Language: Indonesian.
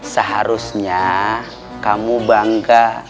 seharusnya kamu bangga